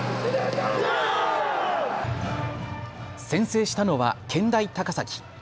先制したのは健大高崎。